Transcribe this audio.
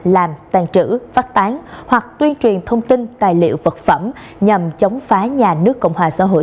làm tàn trữ phát tán hoặc tuyên truyền thông tin tài liệu vật phẩm nhằm chống phá nhà nước cộng hòa xã hội